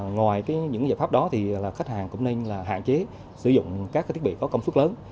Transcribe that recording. ngoài những giải pháp đó thì khách hàng cũng nên hạn chế sử dụng các thiết bị có công suất lớn